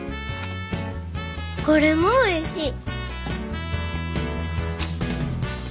これもおいしい。